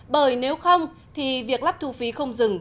bởi nếu không thì việc lắp thu phí không dừng